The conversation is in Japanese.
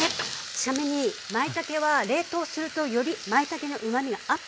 ちなみにまいたけは冷凍するとよりまいたけのうまみがアップするんです。